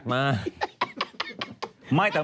สวัสดีครับ